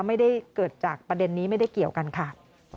ไม่ได้เกิดจากประเด็นนี้ไม่ได้เกี่ยวกันค่ะ